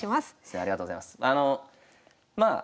ありがとうございます。